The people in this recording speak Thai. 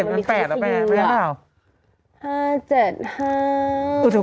หัวจรวจก็เหมือน๕๗๕๗หรอ